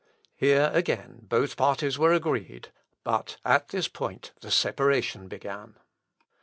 Here again both parties were agreed but at this point the separation began.